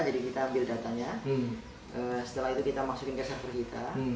jadi kita ambil datanya setelah itu kita masukkan ke server kita